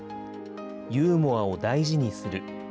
ユーモアを大事にする。